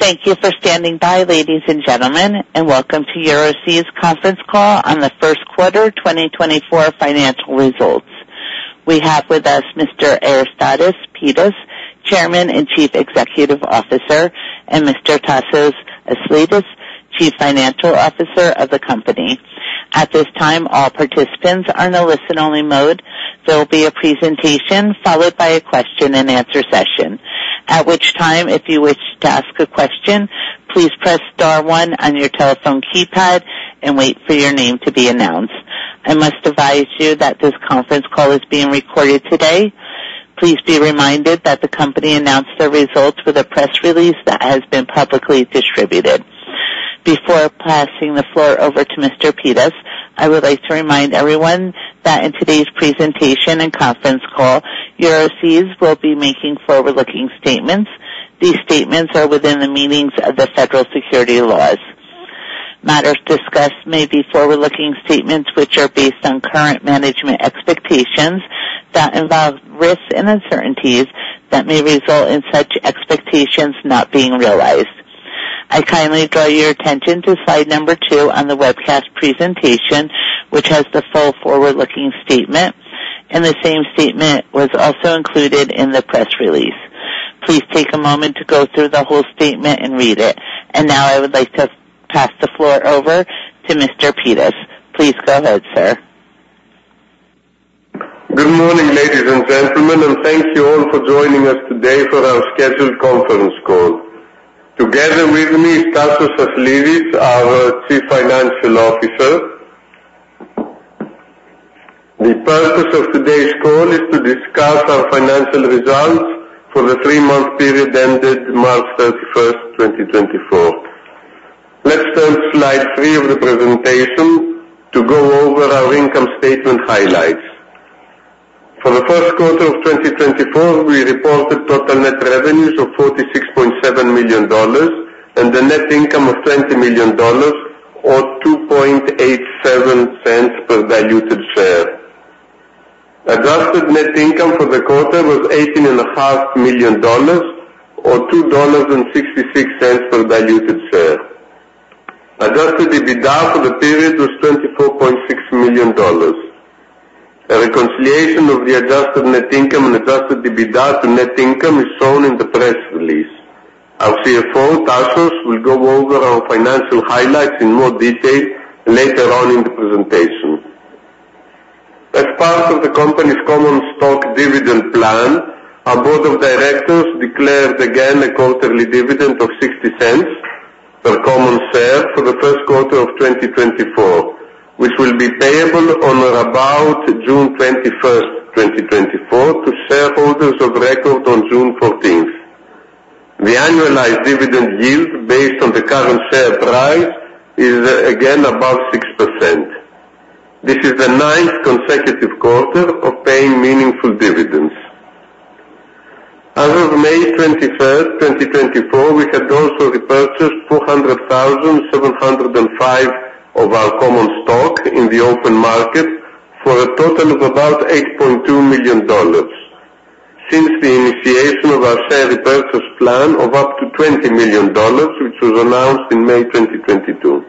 Thank you for standing by, ladies and gentlemen, and welcome to Euroseas conference call on the first quarter 2024 financial results. We have with us Mr. Aristides Pittas, Chairman and Chief Executive Officer, and Mr. Tasos Aslidis, Chief Financial Officer of the company. At this time, all participants are in a listen-only mode. There will be a presentation followed by a question and answer session, at which time, if you wish to ask a question, please press star one on your telephone keypad and wait for your name to be announced. I must advise you that this conference call is being recorded today. Please be reminded that the company announced their results with a press release that has been publicly distributed. Before passing the floor over to Mr. Pittas, I would like to remind everyone that in today's presentation and conference call, Euroseas will be making forward-looking statements. These statements are within the meanings of the federal securities laws. Matters discussed may be forward-looking statements which are based on current management expectations that involve risks and uncertainties that may result in such expectations not being realized. I kindly draw your attention to slide number two on the webcast presentation, which has the full forward-looking statement, and the same statement was also included in the press release. Please take a moment to go through the whole statement and read it. Now I would like to pass the floor over to Mr. Pittas. Please go ahead, sir. Good morning, ladies and gentlemen, and thank you all for joining us today for our scheduled conference call. Together with me is Tasos Aslidis, our Chief Financial Officer. The purpose of today's call is to discuss our financial results for the three-month period ended March 31, 2024. Let's turn to slide 3 of the presentation to go over our income statement highlights. For the first quarter of 2024, we reported total net revenues of $46.7 million and a net income of $20 million or $0.0287 per diluted share. Adjusted net income for the quarter was $18.5 million or $2.66 per diluted share. Adjusted EBITDA for the period was $24.6 million. A reconciliation of the adjusted net income and adjusted EBITDA to net income is shown in the press release. Our CFO, Tasos, will go over our financial highlights in more detail later on in the presentation. As part of the company's common stock dividend plan, our board of directors declared again a quarterly dividend of $0.60 per common share for the first quarter of 2024, which will be payable on or about June 21st, 2024, to shareholders of record on June 14th. The annualized dividend yield, based on the current share price, is again above 6%. This is the ninth consecutive quarter of paying meaningful dividends. As of May 21st, 2024, we had also repurchased 200,705 of our common stock in the open market for a total of about $8.2 million since the initiation of our share repurchase plan of up to $20 million, which was announced in May 2022.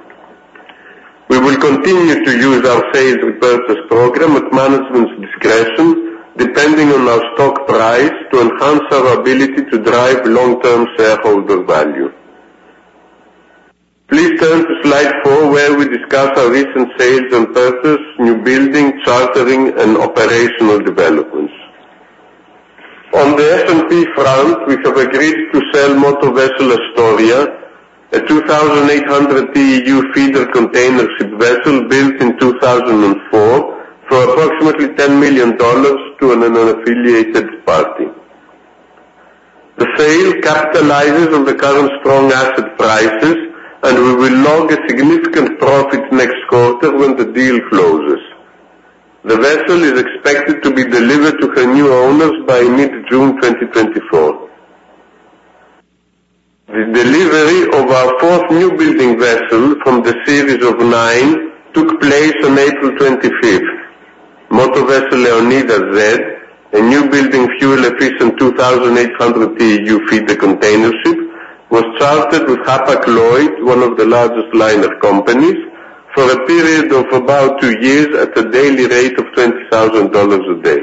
We will continue to use our shares repurchase program at management's discretion, depending on our stock price, to enhance our ability to drive long-term shareholder value. Please turn to slide four, where we discuss our recent sales and purchase, new building, chartering, and operational developments. On the S&P front, we have agreed to sell motor vessel Astoria, a 2,800 TEU feeder container ship vessel built in 2004, for approximately $10 million to an unaffiliated party. The sale capitalizes on the current strong asset prices, and we will log a significant profit next quarter when the deal closes. The vessel is expected to be delivered to her new owners by mid-June 2024. The delivery of our 4th new building vessel from the series of nine took place on April 25. Motor Vessel Leonidas Z, a newbuilding, fuel-efficient, 2,800 TEU feeder container ship, was chartered with Hapag-Lloyd, one of the largest liner companies, for a period of about two years at a daily rate of $20,000 a day.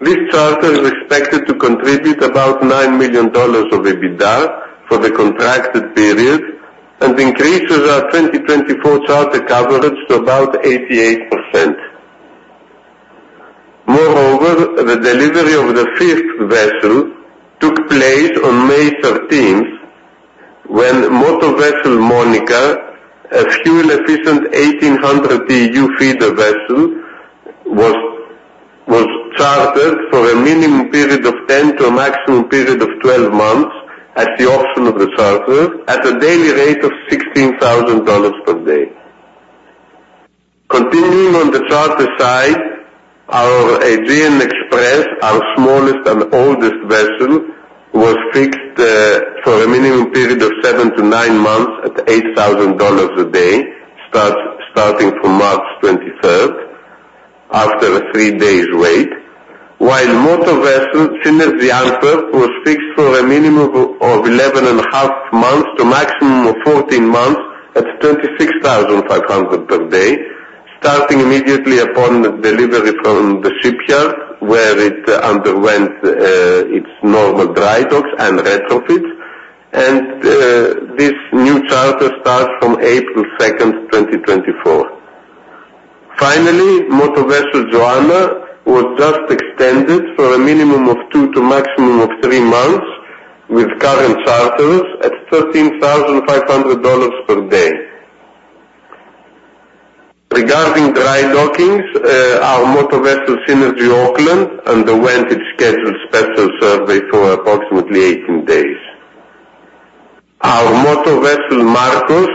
This charter is expected to contribute about $9 million of EBITDA for the contracted period and increases our 2024 charter coverage to about 88%. Moreover, the delivery of the fifth vessel took place on May thirteenth, when Motor Vessel Monica, a fuel-efficient 1,800 TEU feeder vessel, was chartered for a minimum period of 10 to a maximum period of 12 months at the option of the charter at a daily rate of $16,000 per day. Continuing on the charter side, our Aegean Express, our smallest and oldest vessel, was fixed for a minimum period of 7-9 months at $8,000 a day, starting from March 23, after a three-day wait, while motor vessel Synergy Antwerp was fixed for a minimum of 11.5 months to a maximum of 14 months at $26,500 per day, starting immediately upon delivery from the shipyard, where it underwent its normal dry docks and retrofits, and this new charter starts from April 2, 2024. Finally, motor vessel Joanna was just extended for a minimum of two to maximum of three months with current charters at $13,500 per day. Regarding dry dockings, our motor vessel Synergy Oakland underwent its scheduled special survey for approximately 18 days. Our motor vessel Marcos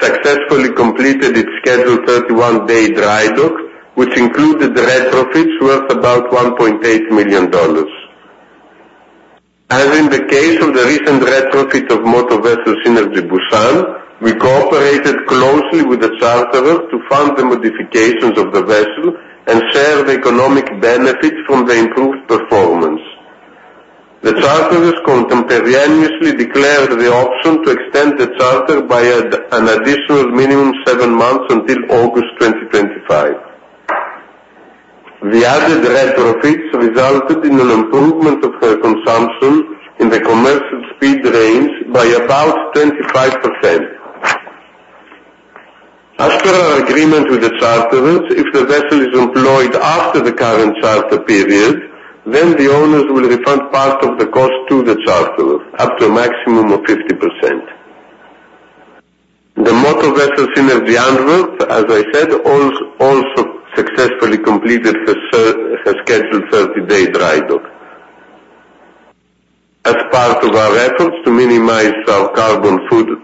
successfully completed its scheduled 31-day dry dock, which included retrofits worth about $1.8 million. As in the case of the recent retrofit of motor vessel Synergy Busan, we cooperated closely with the charterer to fund the modifications of the vessel and share the economic benefits from the improved performance. The charterers contemporaneously declared the option to extend the charter by an additional minimum seven months until August 2025. The added retrofits resulted in an improvement of her consumption in the commercial speed range by about 25%. As per our agreement with the charterers, if the vessel is employed after the current charter period, then the owners will refund part of the cost to the charterers, up to a maximum of 50%. The motor vessel Synergy Antwerp, as I said, also successfully completed her her scheduled 30-day dry dock. As part of our efforts to minimize our carbon footprint,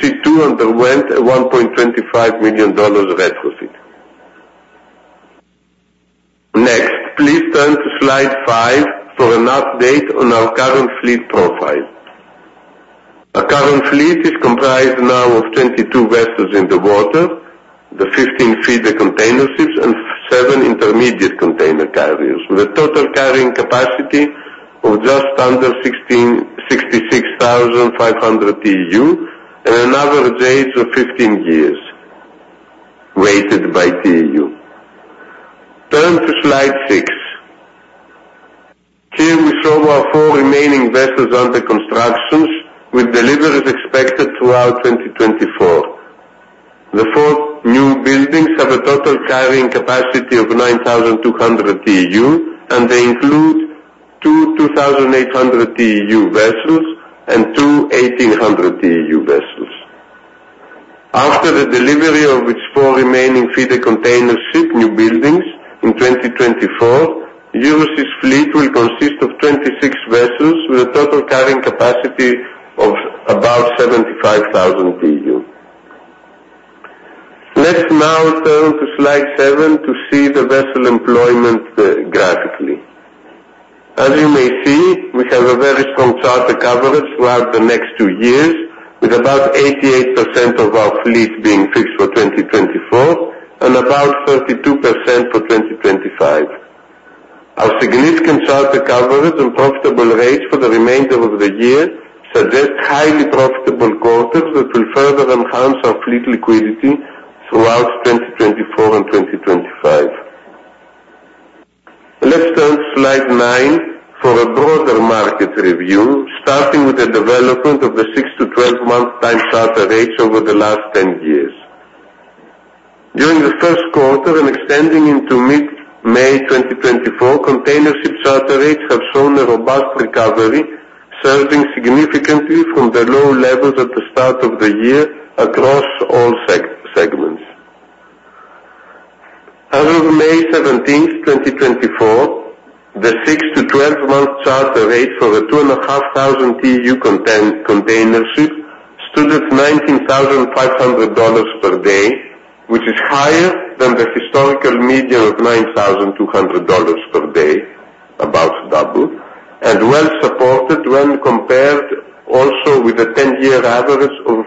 she too underwent a $1.25 million retrofit. Next, please turn to slide five for an update on our current fleet profile. Our current fleet is comprised now of 22 vessels in the water, the 15 feeder container ships and seven intermediate container carriers, with a total carrying capacity of just under 166,500 TEU and an average age of 15 years, weighted by TEU. Turn to slide six. Here we show our four remaining vessels under construction, with deliveries expected throughout 2024. The four new buildings have a total carrying capacity of 9,200 TEU, and they include two 2,800 TEU vessels and two 1,800 TEU vessels. After the delivery of its four remaining feeder container ship newbuildings in 2024, Euroseas's fleet will consist of 26 vessels with a total carrying capacity of about 75,000 TEU. Let's now turn to slide seven to see the vessel employment graphically. As you may see, we have a very strong charter coverage throughout the next two years, with about 88% of our fleet being fixed for 2024 and about 32% for 2025. Our significant charter coverage and profitable rates for the remainder of the year suggest highly profitable quarters that will further enhance our fleet liquidity throughout 2024 and 2025. Let's turn to slide nine for a broader market review, starting with the development of the six to 12-month time charter rates over the last 10 years. During the first quarter and extending into mid-May 2024, container ship charter rates have shown a robust recovery, surging significantly from the low levels at the start of the year across all segments. As of May 17, 2024, the six to 12-month charter rate for the 2,500 TEU container ship stood at $19,500 per day, which is higher than the historical median of $9,200 per day, about double, and well supported when compared also with the 10-year average of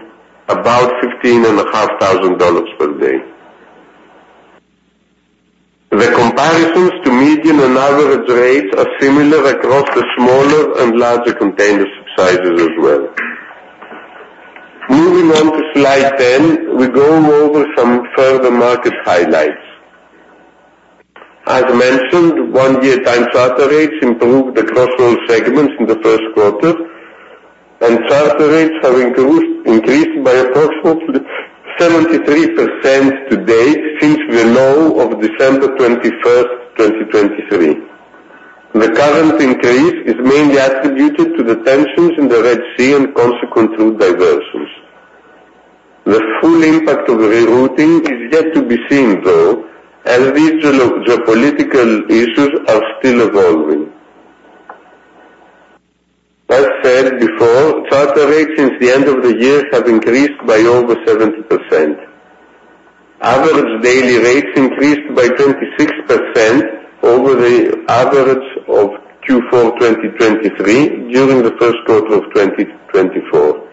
about $15,500 per day. The comparisons to median and average rates are similar across the smaller and larger container ship sizes as well. Moving on to slide 10, we go over some further market highlights. As mentioned, one-year time charter rates improved across all segments in the first quarter, and charter rates have increased, increased by approximately 73% to date since the low of December 21, 2023. The current increase is mainly attributed to the tensions in the Red Sea and consequent route diversions. The full impact of rerouting is yet to be seen, though, as these geopolitical issues are still evolving. As said before, charter rates since the end of the year have increased by over 70%. Average daily rates increased by 26% over the average of Q4 2023 during the first quarter of 2024,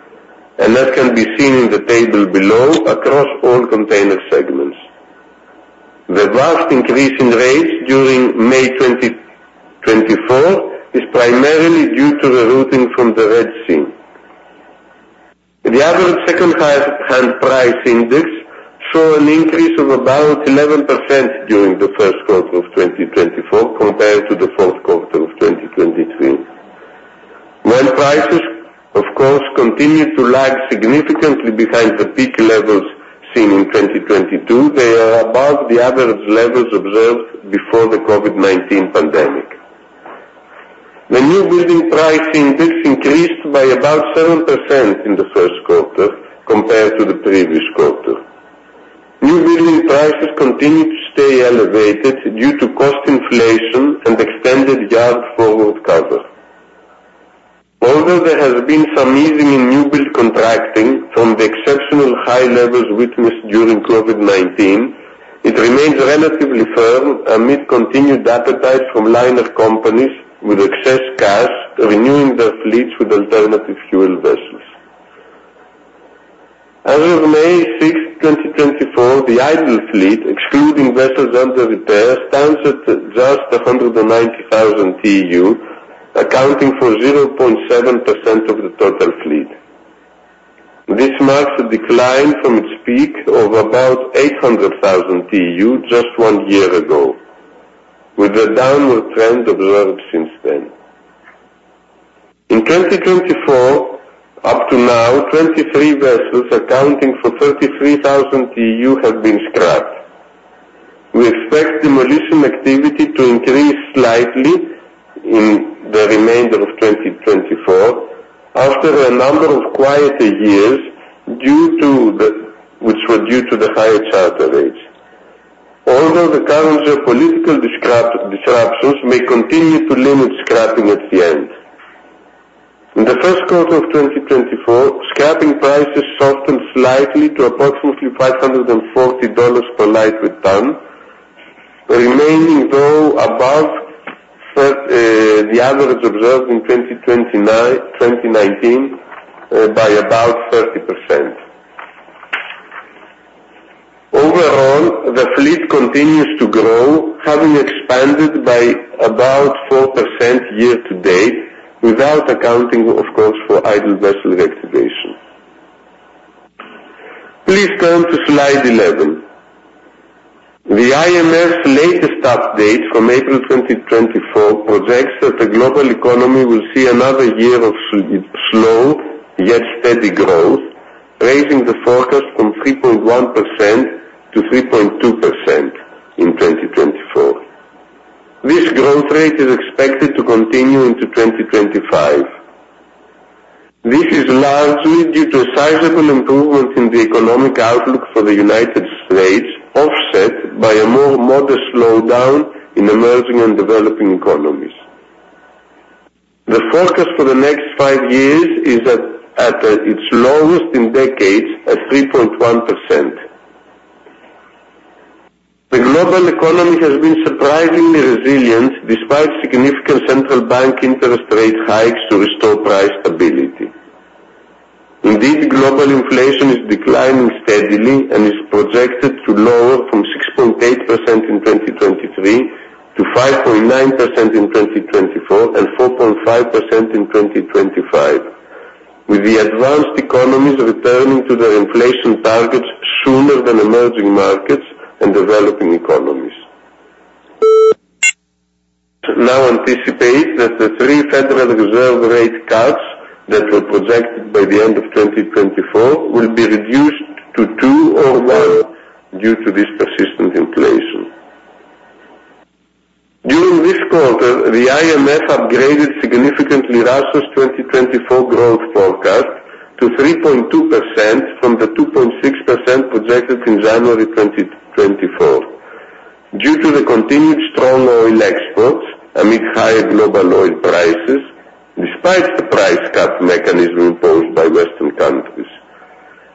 and that can be seen in the table below across all container segments. The vast increase in rates during May 2024 is primarily due to the routing from the Red Sea. The average second-hand price index saw an increase of about 11% during the first quarter of 2024 compared to the fourth quarter of 2023. While prices, of course, continue to lag significantly behind the peak levels seen in 2022, they are above the average levels observed before the COVID-19 pandemic. The newbuilding price index increased by about 7% in the first quarter compared to the previous quarter. Newbuilding prices continue to stay elevated due to cost inflation and extended yard forward cover. Although there has been some easing in newbuilding contracting from the exceptional high levels witnessed during COVID-19, it remains relatively firm amid continued appetite from liner companies with excess cash, renewing their fleets with alternative fuel vessels. As of May 6, 2024, the idle fleet, excluding vessels under repair, stands at just 190,000 TEU, accounting for 0.7% of the total fleet. This marks a decline from its peak of about 800,000 TEU just one year ago, with a downward trend observed since then. In 2024, up to now, 23 vessels accounting for 33,000 TEU have been scrapped. We expect demolition activity to increase slightly in the remainder of 2024 after a number of quieter years due to the... which were due to the higher charter rates. Although the current geopolitical disruptions may continue to limit scrapping at the end. In the first quarter of 2024, scrapping prices softened slightly to approximately $540 per LDT, remaining, though, above the average observed in 2019 by about 30%. Overall, the fleet continues to grow, having expanded by about 4% year to date, without accounting, of course, for idle vessel reactivation. Please turn to slide 11. The IMF's latest update from April 2024 projects that the global economy will see another year of slow, yet steady growth, raising the forecast from 3.1% to 3.2% in 2024. This growth rate is expected to continue into 2025. This is largely due to a sizable improvement in the economic outlook for the United States, offset by a more modest slowdown in emerging and developing economies. The forecast for the next five years is at its lowest in decades, at 3.1%. The global economy has been surprisingly resilient, despite significant central bank interest rate hikes to restore price stability. Indeed, global inflation is declining steadily and is projected to lower from 6.8% in 2023 to 5.9% in 2024 and 4.5% in 2025, with the advanced economies returning to their inflation targets sooner than emerging markets and developing economies. Now anticipate that the 3 Federal Reserve rate cuts that were projected by the end of 2024 will be reduced to two or one due to this persistent inflation. During this quarter, the IMF upgraded significantly Russia's 2024 growth forecast to 3.2% from the 2.6% projected in January 2024. Due to the continued strong oil exports amid higher global oil prices, despite the price cap mechanism imposed by Western countries,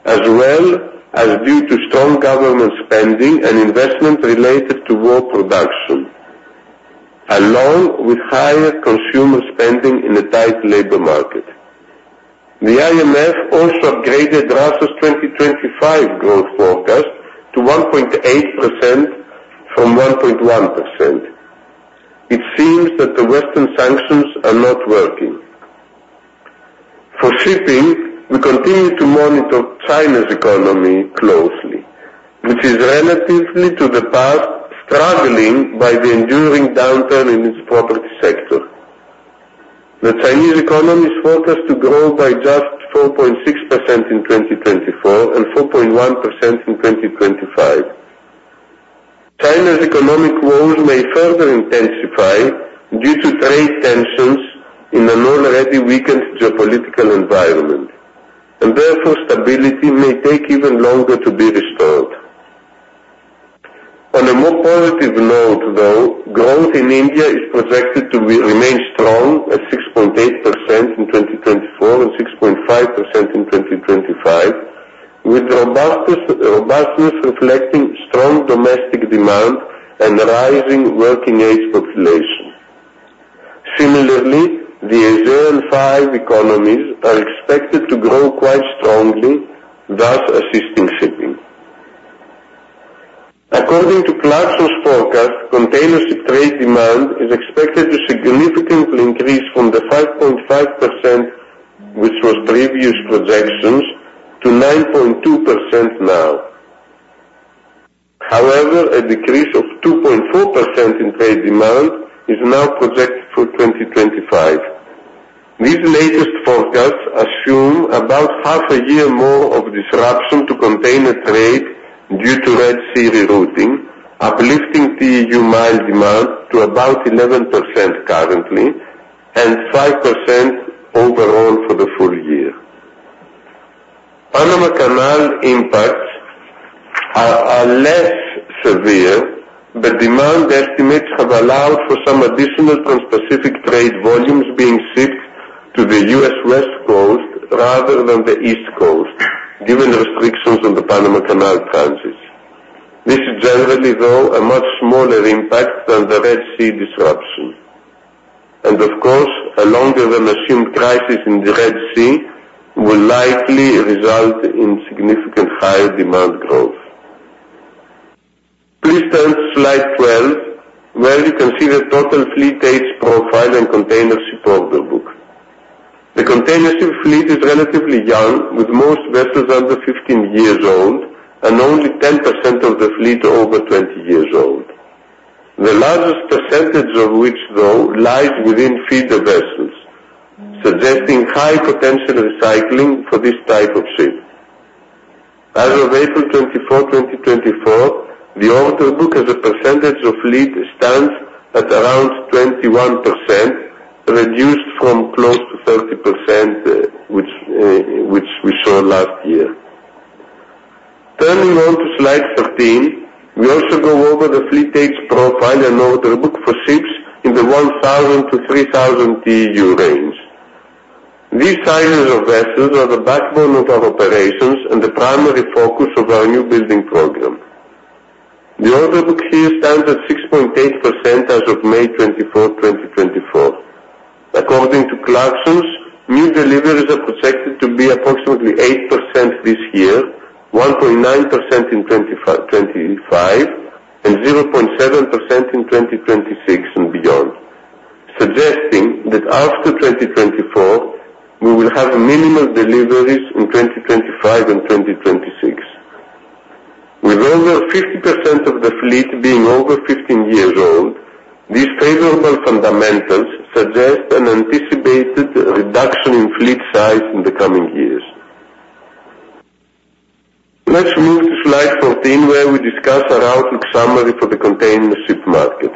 as well as due to strong government spending and investment related to war production, along with higher consumer spending in a tight labor market. The IMF also upgraded Russia's 2025 growth forecast to 1.8% from 1.1%. It seems that the Western sanctions are not working. For shipping, we continue to monitor China's economy closely, which is relative to the past, struggling by the enduring downturn in its property sector. The Chinese economy is forecast to grow by just 4.6% in 2024 and 4.1% in 2025. China's economic woes may further intensify due to trade tensions in an already weakened geopolitical environment, and therefore stability may take even longer to be restored. On a more positive note, though, growth in India is projected to remain strong at 6.8% in 2024 and 6.5% in 2025, with robustness reflecting strong domestic demand and rising working age population. Similarly, the ASEAN five economies are expected to grow quite strongly, thus assisting shipping. According to Clarksons forecast, container ship trade demand is expected to significantly increase from the 5.5%, which was previous projections, to 9.2% now. However, a decrease of 2.4% in trade demand is now projected for 2025. These latest forecasts assume about half a year more of disruption to container trade due to Red Sea rerouting, uplifting TEU mile demand to about 11% currently and 5% overall for the full year. Panama Canal impacts are less severe, but demand estimates have allowed for some additional Transpacific trade volumes being shipped to the U.S. West Coast rather than the East Coast, given the restrictions on the Panama Canal transit. This is generally, though, a much smaller impact than the Red Sea disruption, and of course, a longer than assumed crisis in the Red Sea will likely result in significant higher demand growth. Please turn to slide 12, where you can see the total fleet age profile and container ship order book. The container ship fleet is relatively young, with most vessels under 15 years old and only 10% of the fleet over 20 years old. The largest percentage of which, though, lies within feeder vessels, suggesting high potential recycling for this type of ship. As of April 24, 2024, the order book as a percentage of fleet stands at around 21%, reduced from close to 30%, which, which we saw last year. Turning on to slide 13, we also go over the fleet age profile and order book for ships in the 1,000-3,000 TEU range. These sizes of vessels are the backbone of our operations and the primary focus of our new building program. The order book here stands at 6.8% as of May 24, 2024. According to Clarksons, new deliveries are projected to be approximately 8% this year, 1.9% in twenty-five, and 0.7% in 2026 and beyond, suggesting that after 2024, we will have minimal deliveries in 2025 and 2026. With over 50% of the fleet being over 15 years old, these favorable fundamentals suggest an anticipated reduction in fleet size in the coming years. Let's move to slide 14, where we discuss our outlook summary for the container ship market.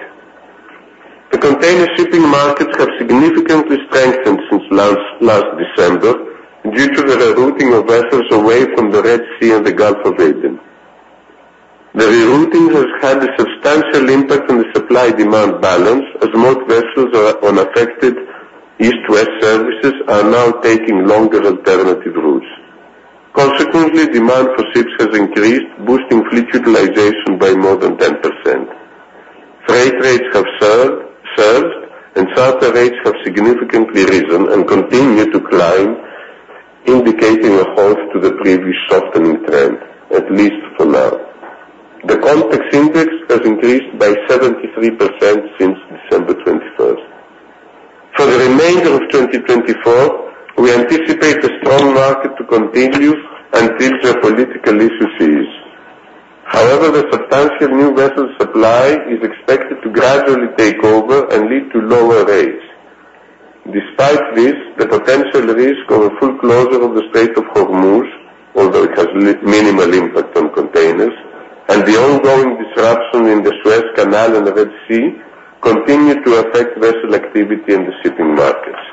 The container shipping markets have significantly strengthened since last December due to the rerouting of vessels away from the Red Sea and the Gulf of Aden. The rerouting has had a substantial impact on the supply-demand balance, as most vessels on affected East-West services are now taking longer alternative routes. Consequently, demand for ships has increased, boosting fleet utilization by more than 10%. Freight rates have soared, and charter rates have significantly risen and continue to climb, indicating a halt to the previous softening trend, at least for now. The container index has increased by 73% since December 21. For the remainder of 2024, we anticipate a strong market to continue until the political issue cease. However, the substantial new vessel supply is expected to gradually take over and lead to lower rates. Despite this, the potential risk of a full closure of the Strait of Hormuz, although it has minimal impact on containers, and the ongoing disruption in the Suez Canal and the Red Sea, continue to affect vessel activity in the shipping markets.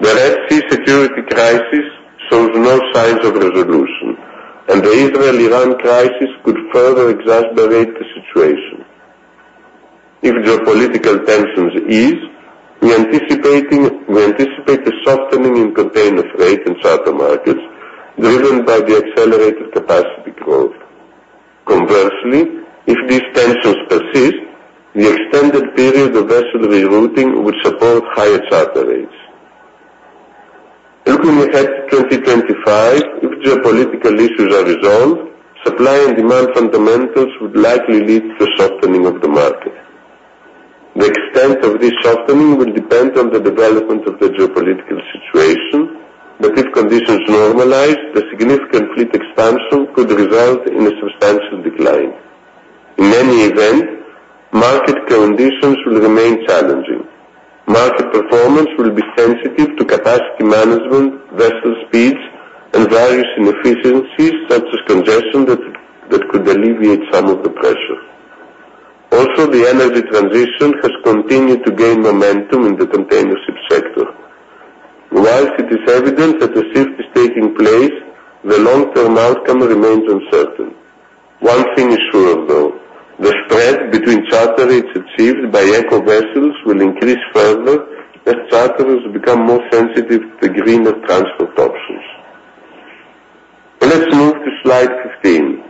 The Red Sea security crisis shows no signs of resolution, and the Israel-Iran crisis could further exacerbate the situation. If geopolitical tensions ease, we anticipate a softening in container freight and charter markets driven by the accelerated capacity growth. Conversely, if these tensions persist, the extended period of vessel rerouting will support higher charter rates. Looking ahead to 2025, if geopolitical issues are resolved, supply and demand fundamentals would likely lead to a softening of the market. The extent of this softening will depend on the development of the geopolitical situation, but if conditions normalize, the significant fleet expansion could result in a substantial decline. In any event, market conditions will remain challenging. Market performance will be sensitive to capacity management, vessel speeds and various inefficiencies, such as congestion that could alleviate some of the pressure. Also, the energy transition has continued to gain momentum in the container ship sector. While it is evident that a shift is taking place, the long-term outcome remains uncertain. One thing is sure, though, the spread between charter rates achieved by eco vessels will increase further as charters become more sensitive to the greener transport options. Well, let's move to slide 15.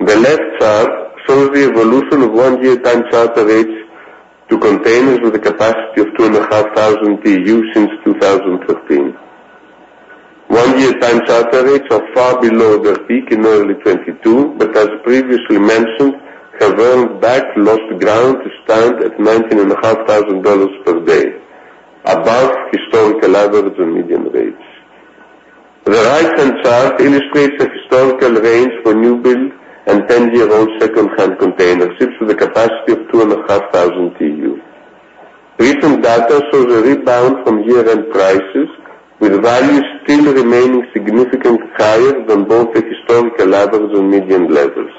The left chart shows the evolution of one-year time charter rates to containers with a capacity of 2,500 TEU since 2013. One-year time charter rates are far below their peak in early 2022, but as previously mentioned, have earned back lost ground to stand at $19,500 per day, above historical average and median rates. The right-hand chart illustrates the historical range for new build and 10-year-old secondhand container ships with a capacity of 2,500 TEU. Recent data shows a rebound from year-end prices, with values still remaining significantly higher than both the historical average and median levels.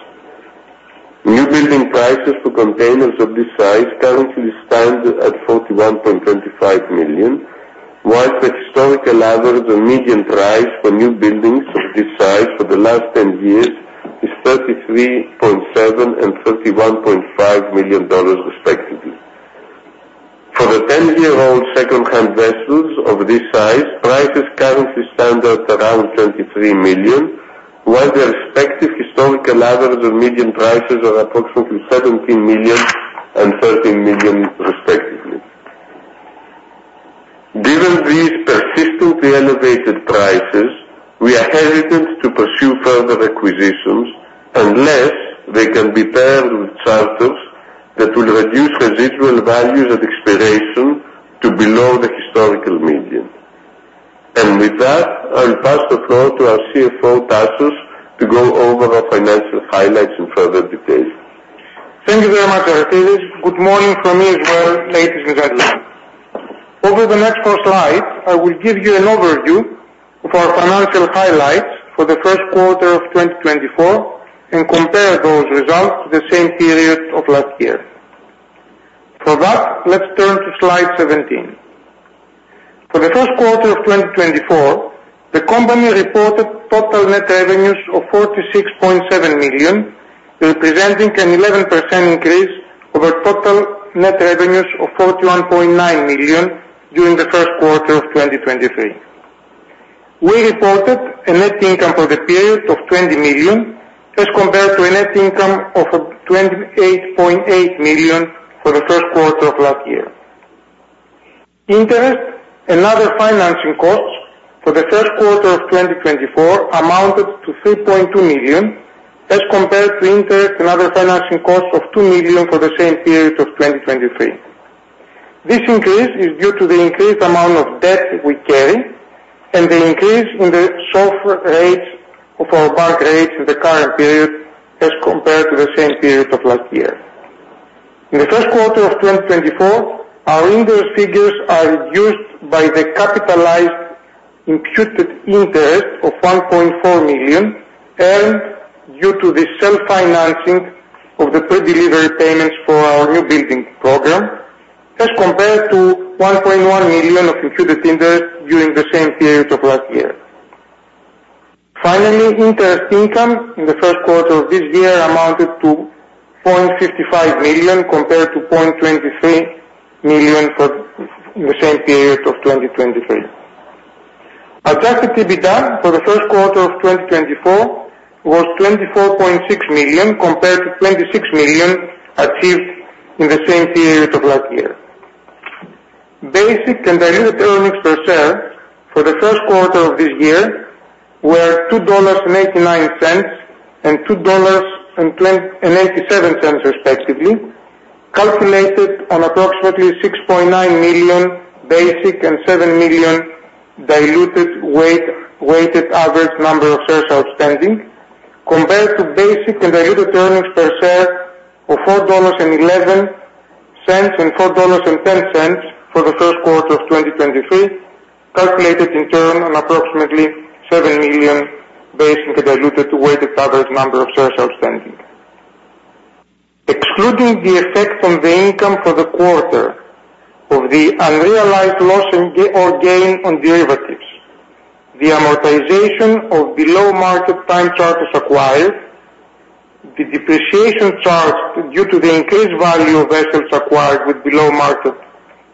Newbuilding prices for containers of this size currently stand at $41.25 million, while the historical average and median price for newbuildings of this size for the last 10 years is $33.7 million and $31.5 million, respectively. For the 10-year-old secondhand vessels of this size, prices currently stand at around $23 million, while their respective historical average and median prices are approximately $17 million and $13 million, respectively. Given these persistently elevated prices, we are hesitant to pursue further acquisitions unless they can be paired with charters that will reduce residual values at expiration to below the historical median. And with that, I'll pass the floor to our CFO, Tasos, to go over our financial highlights in further detail. Thank you very much, Aristides. Good morning from me as well, ladies and gentlemen. Over the next 4 slides, I will give you an overview of our financial highlights for the first quarter of 2024 and compare those results to the same period of last year. For that, let's turn to slide 17. For the first quarter of 2024, the company reported total net revenues of $46.7 million, representing an 11% increase over total net revenues of $41.9 million during the first quarter of 2023. We reported a net income for the period of $20 million, as compared to a net income of $28.8 million for the first quarter of last year. Interest and other financing costs for the first quarter of 2024 amounted to $3.2 million, as compared to interest and other financing costs of $2 million for the same period of 2023. This increase is due to the increased amount of debt we carry and the increase in the SOFR rates of our bank rates in the current period, as compared to the same period of last year. In the first quarter of 2024, our interest figures are reduced by the capitalized imputed interest of $1.4 million, earned due to the self-financing of the pre-delivery payments for our new building program, as compared to $1.1 million of imputed interest during the same period of last year. Finally, interest income in the first quarter of this year amounted to $0.55 million, compared to $0.23 million for the same period of 2023. Adjusted EBITDA for the first quarter of 2024 was $24.6 million, compared to $26 million achieved in the same period of last year. Basic and diluted earnings per share for the first quarter of this year were $2.89 and $2.87, respectively, calculated on approximately 6.9 million basic and 7 million diluted weighted average number of shares outstanding. Compared to basic and diluted earnings per share of $4.11 and $4.10 for the first quarter of 2023, calculated in turn on approximately 7 million basic and diluted weighted average number of shares outstanding. Excluding the effect on the income for the quarter of the unrealized loss or gain on derivatives, the amortization of below-market time charters acquired, the depreciation charge due to the increased value of vessels acquired with below-market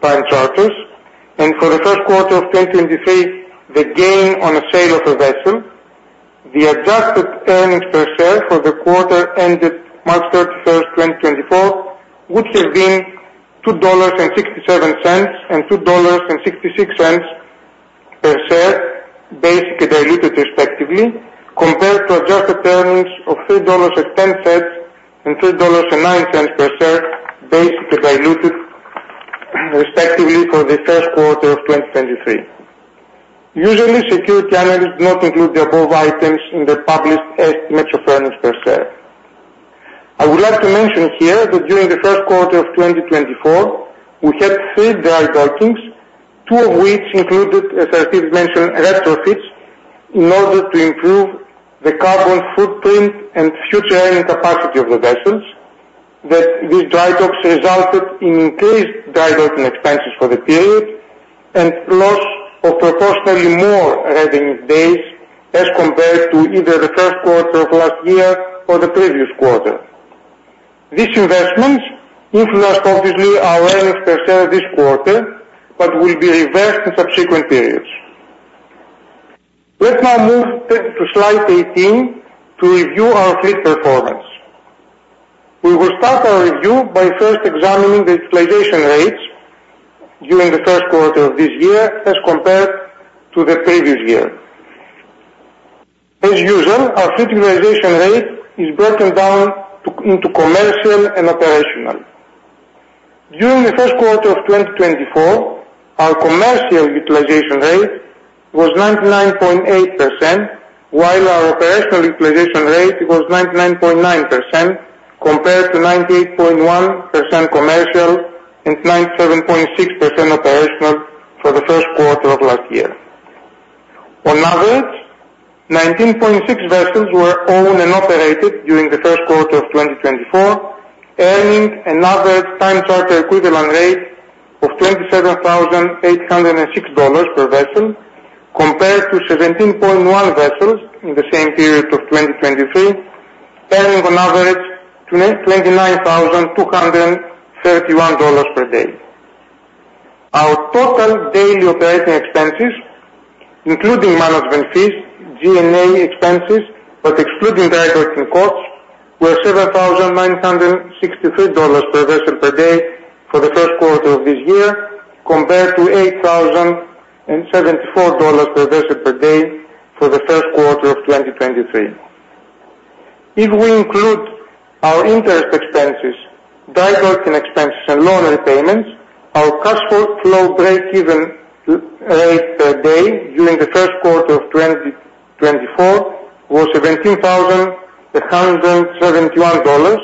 time charters, and for the first quarter of 2023, the gain on the sale of a vessel, the adjusted earnings per share for the quarter ended March 31, 2024, would have been $2.67 and $2.66 per share, basic and diluted, respectively, compared to adjusted earnings of $3.10 and $3.09 per share, basic and diluted, respectively, for the first quarter of 2023. Usually, security analysts do not include the above items in the published estimates of earnings per share. I would like to mention here that during the first quarter of 2024, we had three dry dockings, two of which included, as Aristides mentioned, retrofits in order to improve the carbon footprint and future earning capacity of the vessels. That these dry docks resulted in increased dry docking expenses for the period and loss of proportionally more revenue days as compared to either the first quarter of last year or the previous quarter. These investments influence obviously our earnings per share this quarter, but will be reversed in subsequent periods. Let's now move to slide 18 to review our fleet performance. We will start our review by first examining the utilization rates during the first quarter of this year as compared to the previous year. As usual, our fleet utilization rate is broken down into commercial and operational. During the first quarter of 2024, our commercial utilization rate was 99.8%, while our operational utilization rate was 99.9%, compared to 98.1% commercial and 97.6% operational for the first quarter of last year. On average, 19.6 vessels were owned and operated during the first quarter of 2024, earning another time charter equivalent rate of $27,806 per vessel, compared to 17.1 vessels in the same period of 2023, earning on average twenty-nine thousand two hundred and thirty-one dollars per day. Our total daily operating expenses, including management fees, G&A expenses, but excluding dry docking costs, were $7,963 per vessel per day for the first quarter of this year, compared to $8,074 per vessel per day for the first quarter of 2023. If we include our interest expenses, dry docking expenses and loan repayments, our cash flow breakeven rate per day during the first quarter of 2024 was $17,171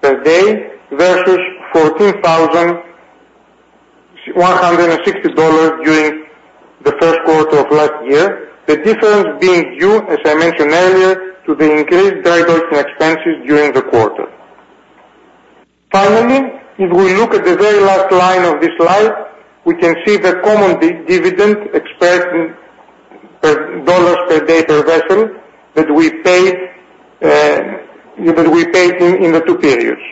per day versus $14,160 during the first quarter of last year. The difference being due, as I mentioned earlier, to the increased dry docking expenses during the quarter. Finally, if we look at the very last line of this slide, we can see the common dividend expressed in dollars per day per vessel that we paid in the two periods.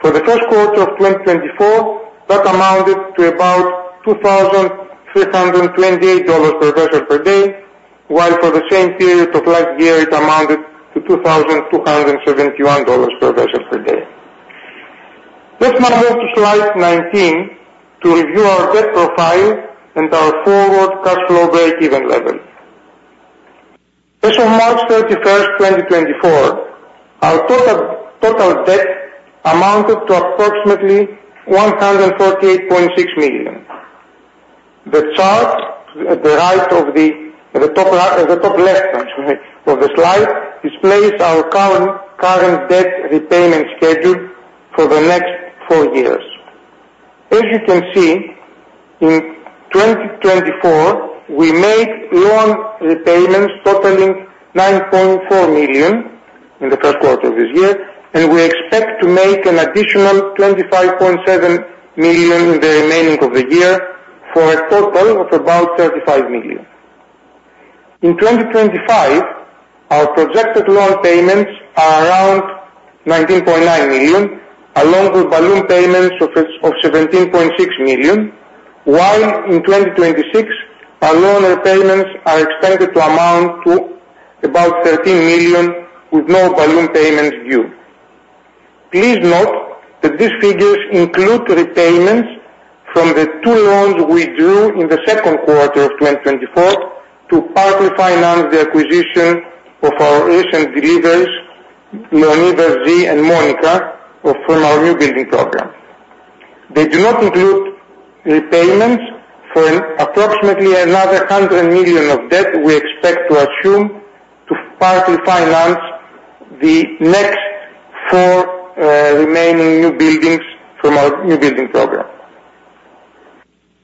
For the first quarter of 2024, that amounted to about $2,328 per vessel per day, while for the same period of last year, it amounted to $2,271 per vessel per day. Let's now move to slide 19 to review our debt profile and our forward cash flow breakeven levels. As of March 31, 2024, our total debt amounted to approximately $148.6 million. The chart at the top left, excuse me, of the slide displays our current debt repayment schedule for the next four years. As you can see, in 2024, we made loan repayments totaling $9.4 million in the first quarter of this year, and we expect to make an additional $25.7 million in the remaining of the year, for a total of about $35 million. In 2025, our projected loan payments are around $19.9 million, along with balloon payments of $17.6 million, while in 2026, our loan repayments are expected to amount to about $13 million, with no balloon payments due. Please note that these figures include repayments from the two loans we drew in the second quarter of 2024 to partly finance the acquisition of our recent deliveries, Leonidas Z and Monica, from our new building program. They do not include repayments for approximately another $100 million of debt we expect to assume to partly finance the next 4 remaining new buildings from our new building program.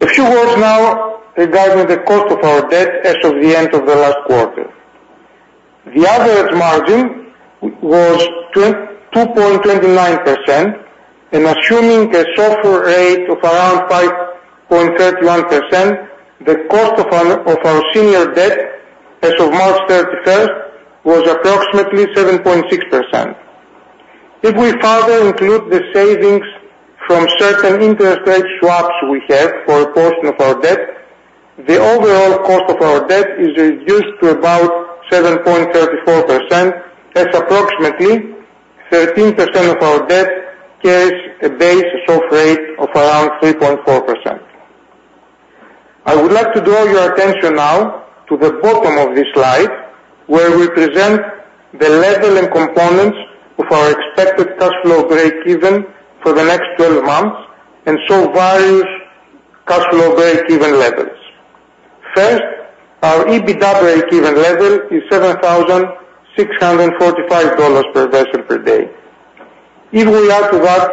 A few words now regarding the cost of our debt as of the end of the last quarter. The average margin was 2.29%, and assuming a SOFR rate of around 5.31%, the cost of our senior debt as of March 31 was approximately 7.6%. If we further include the savings from certain interest rate swaps we have for a portion of our debt, the overall cost of our debt is reduced to about 7.34%, as approximately 13% of our debt carries a base SOFR rate of around 3.4%. I would like to draw your attention now to the bottom of this slide, where we present the level and components of our expected cash flow breakeven for the next twelve months and show various cash flow breakeven levels. First, our EBITDA breakeven level is $7,645 per vessel per day. If we add to that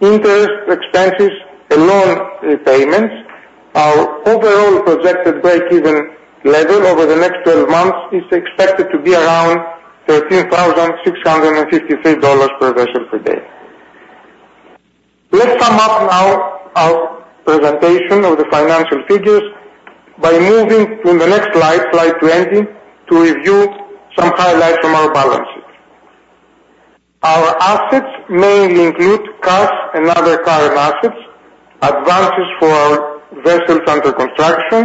interest expenses and loan repayments, our overall projected breakeven level over the next 12 months is expected to be around $13,653 per vessel per day. Let's sum up now our presentation of the financial figures by moving to the next slide, slide 20, to review some highlights from our balances. Our assets mainly include cash and other current assets, advances for our vessels under construction,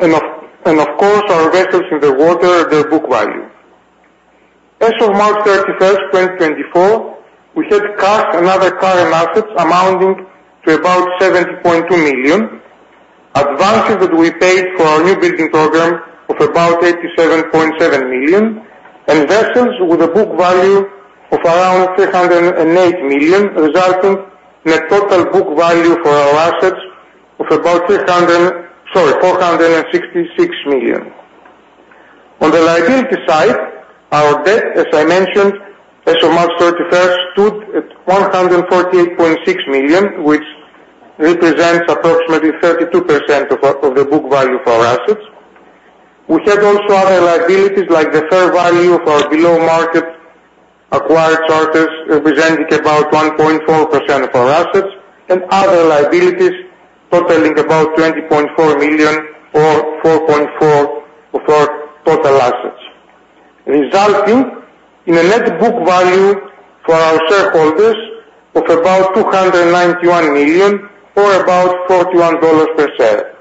and, of course, our vessels in the water, their book value. As of March 31, 2024, we had cash and other current assets amounting to about $70.2 million. Advances that we paid for our new building program of about $87.7 million, and vessels with a book value of around $308 million, resulting in a total book value for our assets of about three hundred, sorry, $466 million. On the liability side, our debt, as I mentioned, as of March 31, stood at $148.6 million, which represents approximately 32% of our, of the book value for our assets. We had also other liabilities, like the fair value of our below market acquired charters, representing about 1.4% of our assets and other liabilities totaling about $20.4 million or 4.4% of our total assets, resulting in a net book value for our shareholders of about $291 million or about $41 per share.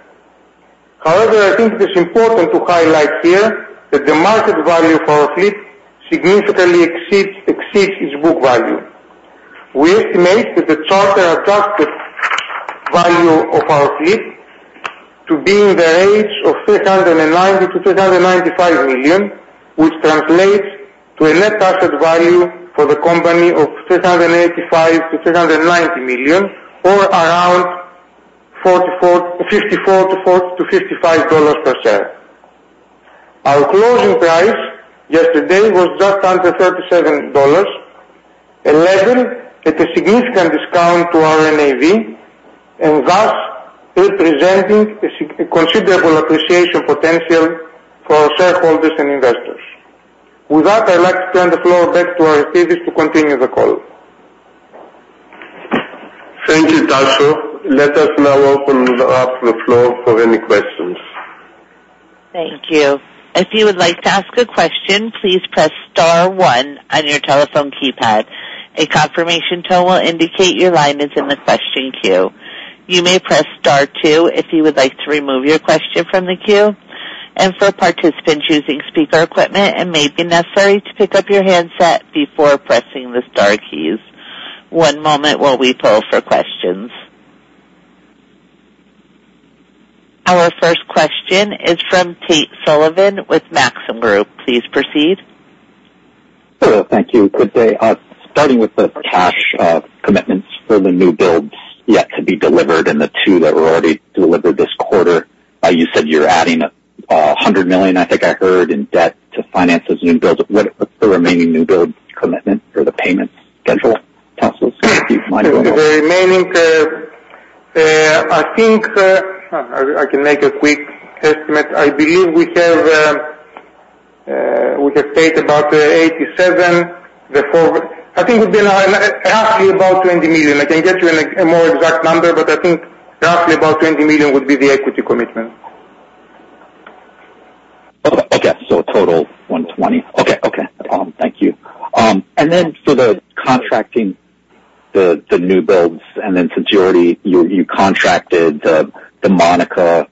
However, I think it is important to highlight here that the market value for our fleet significantly exceeds its book value. We estimate that the charter adjusted value of our fleet to be in the range of $390 million-$395 million, which translates to a net asset value for the company of $385 million-$390 million or around $44-$55 per share. Our closing price yesterday was just under $37, a level at a significant discount to our NAV, and thus representing a considerable appreciation potential for our shareholders and investors. With that, I'd like to turn the floor back to Aristides to continue the call. Thank you, Taso. Let us now open up the floor for any questions. Thank you. If you would like to ask a question, please press star one on your telephone keypad. A confirmation tone will indicate your line is in the question queue. You may press star two if you would like to remove your question from the queue, and for participants using speaker equipment, it may be necessary to pick up your handset before pressing the star keys. One moment while we poll for questions. Our first question is from Tate Sullivan with Maxim Group. Please proceed. Hello. Thank you. Good day. Starting with the cash commitments for the new builds yet to be delivered and the two that were already delivered this quarter, you said you're adding $100 million, I think I heard, in debt to finance as new builds. What are the remaining new build commitment or the payments schedule? Taso, if you mind going over. The remaining, I think I can make a quick estimate. I believe we have paid about $87. I think it would be roughly about $20 million. I can get you a more exact number, but I think roughly about $20 million would be the equity commitment. Okay, so total 120. Okay. Okay, thank you. And then for the contracting the new builds, and then since you already contracted the Monica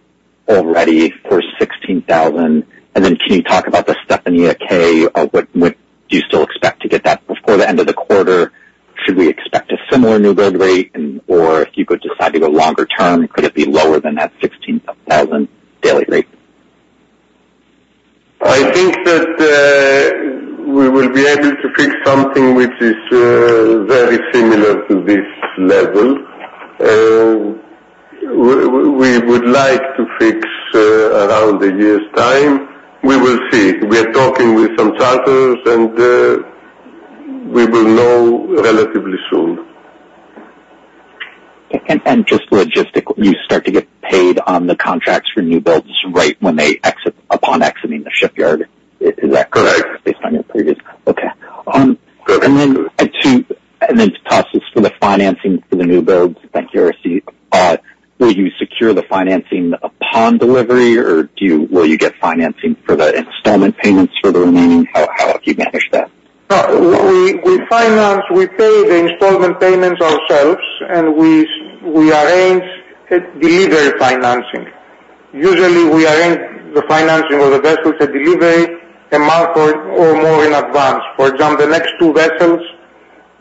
already for $16,000, and then can you talk about the Stefania K? What do you still expect to get that before the end of the quarter? Should we expect a similar new build rate, and or if you could decide to go longer term, could it be lower than that $16,000 daily rate? I think that, we will be able to fix something which is, very similar to this level. We would like to fix, around a year's time. We will see. We are talking with some charters and, we will know relatively soon. And just logistically, you start to get paid on the contracts for new builds right when they exit, upon exiting the shipyard. Is that correct? Correct. Based on your previous... Okay. Correct. And then the process for the financing for the new builds. Thank you, Aristides. Will you secure the financing upon delivery, or will you get financing for the installment payments for the remaining? How do you manage that? No, we finance, we pay the installment payments ourselves, and we arrange delivery financing. Usually, we arrange the financing of the vessels at delivery, a month or more in advance. For example, the next two vessels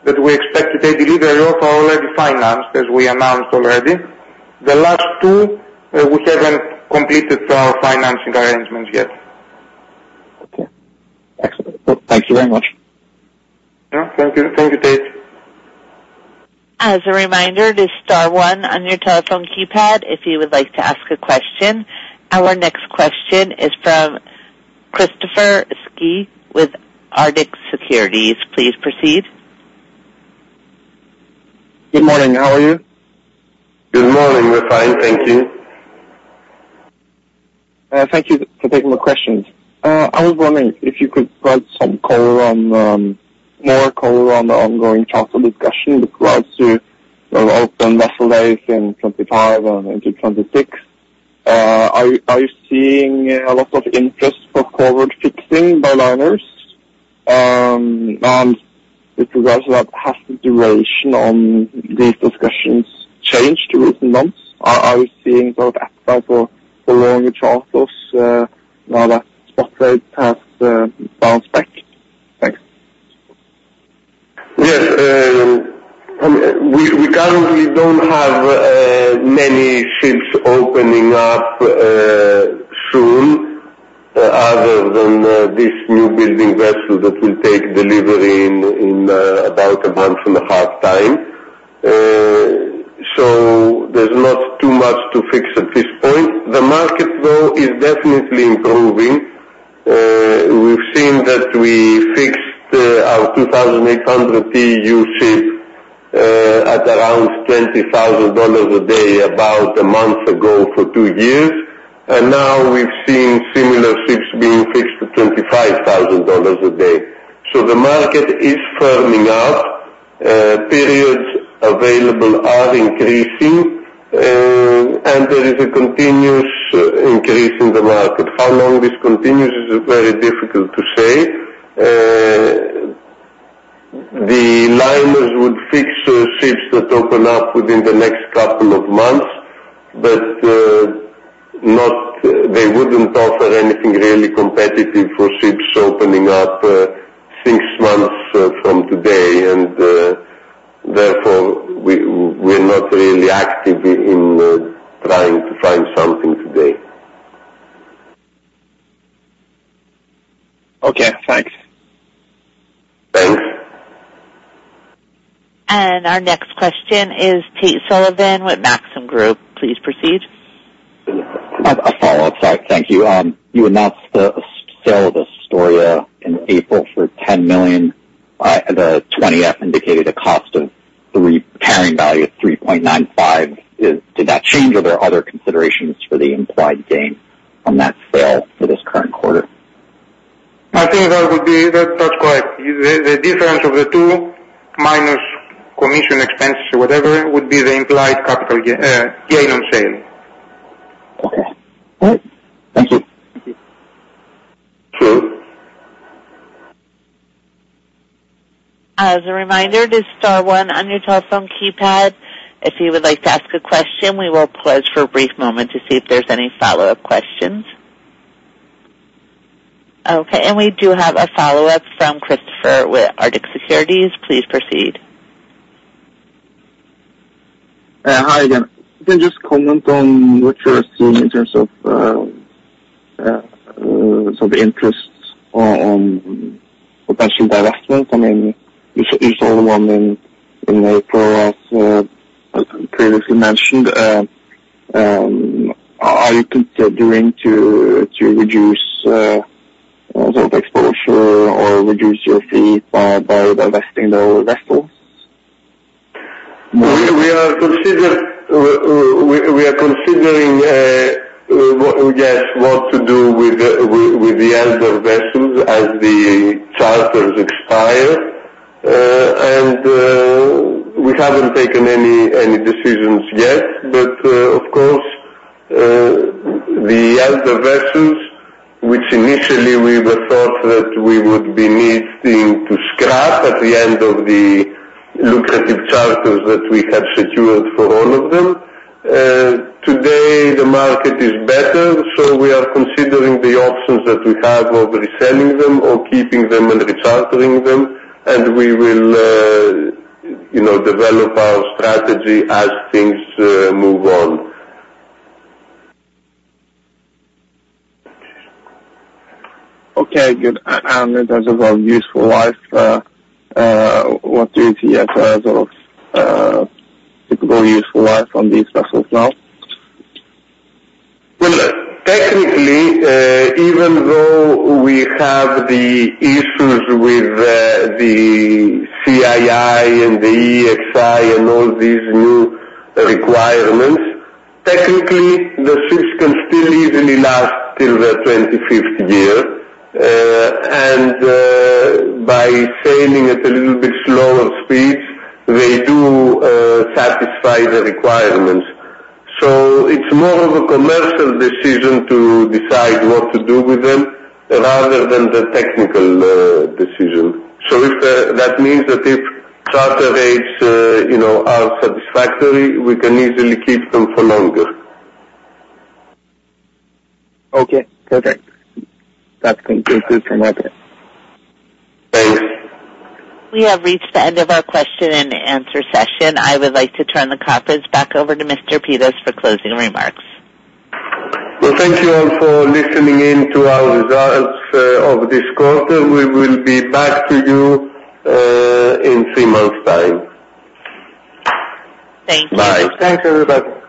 that we expect to take delivery of are already financed, as we announced already. The last two, we haven't completed our financing arrangements yet. Okay. Excellent. Thank you very much. Yeah, thank you. Thank you, Tate. As a reminder, it is star one on your telephone keypad, if you would like to ask a question. Our next question is from Kristoffer Skeie with Arctic Securities. Please proceed. Good morning. How are you? Good morning. We're fine, thank you. Thank you for taking my questions. I was wondering if you could provide some color on, more color on the ongoing council discussion with regards to, you know, open vessel days in 2025 and into 2026. Are you seeing a lot of interest for forward fixing by liners? And with regards to that, has the duration on these discussions changed through recent months? Are we seeing sort of appetite for longer charters now that spot rates have bounced back? Thanks. Yes. We currently don't have many ships opening up soon, other than this newbuilding vessel that will take delivery in about a month and a half time. So there's not too much to fix at this point. The market though is definitely improving. We've seen that we fixed our 2,800 TEU ship at around $20,000 a day, about a month ago for two years. And now we've seen similar ships being fixed to $25,000 a day. So the market is firming up. Periods available are increasing, and there is a continuous increase in the market. How long this continues is very difficult to say. The liners would fix ships that open up within the next couple of months, but they wouldn't offer anything really competitive for ships opening up six months from today, and therefore, we're not really active in trying to find something today. Okay, thanks. Thanks. Our next question is Tate Sullivan with Maxim Group. Please proceed. A follow-up. Sorry. Thank you. You announced the sale of Astoria in April for $10 million. The 20-F indicated a cost of the carrying value of $3.95. Did that change, or are there other considerations for the implied gain on that sale for this current quarter? I think that would be... That's correct. The difference of the two minus commission expenses or whatever would be the implied capital gain on sale. Okay. All right. Thank you. Sure. As a reminder, just star one on your telephone keypad, if you would like to ask a question. We will pause for a brief moment to see if there's any follow-up questions. Okay, and we do have a follow-up from Kristoffer with Arctic Securities. Please proceed. Hi again. Can you just comment on what you're seeing in terms of sort of interests on potential divestments? I mean, you saw the one in April, as previously mentioned. Are you considering to reduce sort of exposure or reduce your fleet by divesting those vessels? We are considering what to do with the older vessels as the charters expire. And we haven't taken any decisions yet, but of course, the older vessels, which initially we thought that we would be needing to scrap at the end of the lucrative charters that we have secured for all of them. Today, the market is better, so we are considering the options that we have of reselling them or keeping them and rechartering them, and we will, you know, develop our strategy as things move on. Okay, good. And in terms of our useful life, what do you see as a sort of typical useful life on these vessels now? Well, technically, even though we have the issues with the CII and the EEXI and all these new requirements, technically, the ships can still easily last till 2050. By sailing at a little bit slower speeds, they do satisfy the requirements. So it's more of a commercial decision to decide what to do with them, rather than the technical decision. So if that means that if charter rates, you know, are satisfactory, we can easily keep them for longer. Okay, perfect. That concludes my question. Thanks. We have reached the end of our question and answer session. I would like to turn the conference back over to Mr. Pittas for closing remarks. Well, thank you all for listening in to our results of this quarter. We will be back to you in three months' time. Thank you. Bye. Thanks, everybody. This concludes-